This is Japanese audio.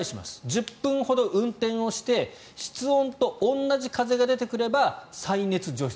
１０分ほど運転をして室温と同じ風が出てくれば再熱除湿。